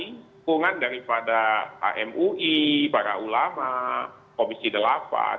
hukuman daripada amui para ulama komisi delapan